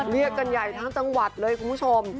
เรียกกันใหญ่ทั้งจังหวัดเลยคุณผู้ชม